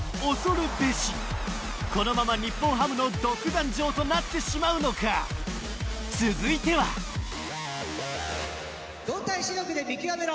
このまま日本ハムの独壇場となってしまうのか続いては動体視力で見極めろ！